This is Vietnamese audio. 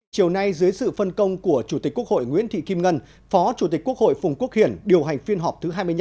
chiều nay dưới sự phân công của chủ tịch quốc hội nguyễn thị kim ngân phó chủ tịch quốc hội phùng quốc hiển điều hành phiên họp thứ hai mươi năm